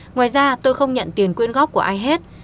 ngoài ra tôi không nhận tiền quyên góp của ai hết